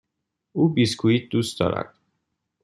او بیسکوییت دوست دارد.